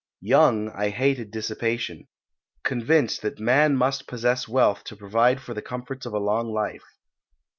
Young, I hated dissipation; convinced that man must possess wealth to provide for the comforts of a long life.